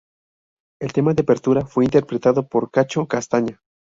El tema de apertura fue interpretado por Cacho Castaña.